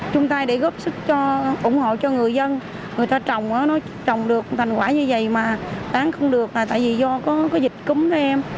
chúng ta để góp sức cho ủng hộ cho người dân người ta trồng nó trồng được thành quả như vậy mà đáng không được là tại vì do có dịch cúm thôi em